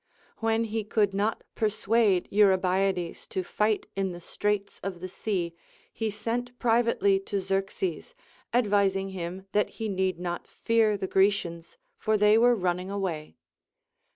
When he could not persuade Eurybiades to fight in the straits of the sea, he sent privately to Xerxes, advising him that he need not fear the Grecians, for they Λvere running away.